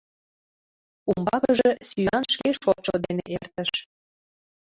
Умбакыже сӱан шке шотшо дене эртыш.